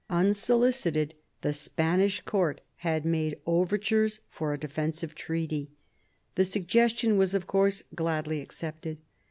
Unsolicited, the Spanish court had /nade overtures for a defensive treaty. The suggestion was of course gladly accepted.